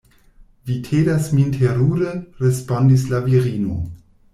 Vi tedas min terure, respondis la virino.